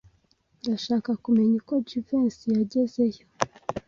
Ndashaka kumenya uko Jivency yagezeyo.